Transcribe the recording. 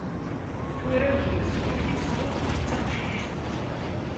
Turar deg umezgun mi tt-tuɣ d taqcict.